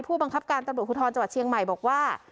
ผู้บังคับการตำรวจภูทรจังหวัดเชียงใหม่บอกว่า